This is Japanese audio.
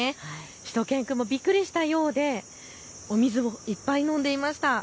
しゅと犬くんもびっくりしたようでお水をいっぱい飲んでいました。